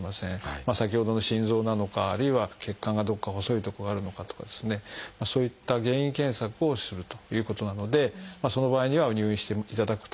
先ほどの心臓なのかあるいは血管がどこか細いとこがあるのかとかですねそういった原因検索をするということなのでその場合には入院していただくという必要もある。